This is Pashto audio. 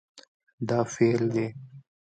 دا فعل دی